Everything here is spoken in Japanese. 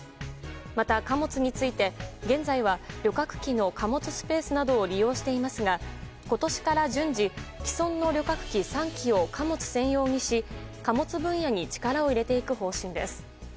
また貨物について、現在は旅客機の貨物スペースなどを利用していますが今年から、順次既存の旅客機３機を貨物専用にし貨物分野に力を入れていく方針です。